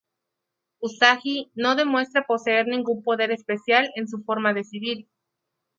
Usagi no demuestra poseer ningún poder especial en su forma de civil.